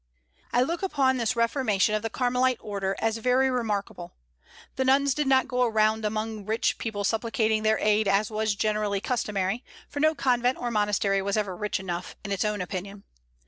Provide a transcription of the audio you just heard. I look upon this reformation of the Carmelite order as very remarkable. The nuns did not go around among rich people supplicating their aid as was generally customary, for no convent or monastery was ever rich enough, in its own opinion.